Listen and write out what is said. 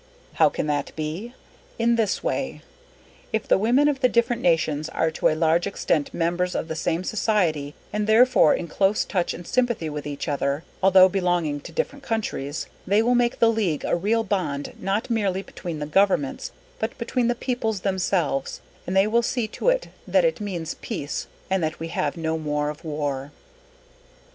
_ How can that be? In this way: _If the women of the different nations are to a large extent members of the same society and therefore in close touch and sympathy with each other, although belonging to different countries, they will make the League a real bond not merely between the Governments, but between the Peoples themselves and they will see to it that it means Peace and that we have no more of War.